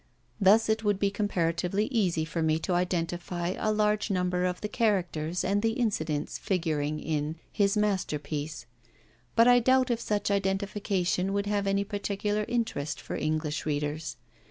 Thus it would be comparatively easy for me to identify a large number of the characters and the incidents figuring in 'His Masterpiece'; but I doubt if such identification would have any particular interest for English readers.